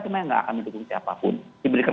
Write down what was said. cuma yang nggak akan mendukung siapapun diberikan